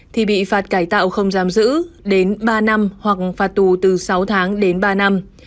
thì bị phạt cải tạo không giam giữ đến ba năm hoặc phạt tù từ sáu tháng đến ba năm